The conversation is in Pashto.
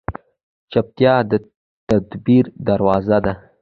چپتیا، د تدبیر دروازه ده.